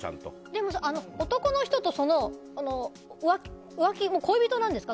でも、男の人とは恋人なんですか？